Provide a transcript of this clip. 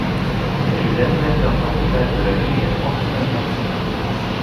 Il fut l'animateur principal de la Ligue antimaçonnique.